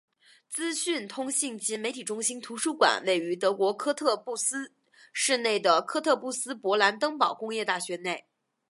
资讯通信及媒体中心图书馆位于德国科特布斯市内的科特布斯勃兰登堡工业大学内。